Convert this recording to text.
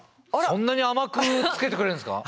そんなに甘くつけてくれるんですか？